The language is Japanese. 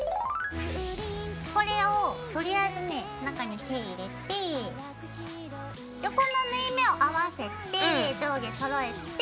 これをとりあえずね中に手入れて横の縫い目を合わせて上下そろえて。